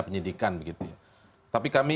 penyidikan tapi kami